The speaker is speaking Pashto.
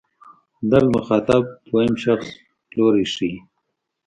در د مخاطب دویم شخص لوری ښيي.